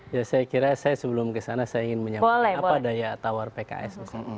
ya saya kira saya sebelum kesana saya ingin menyampaikan apa daya tawar pks misalnya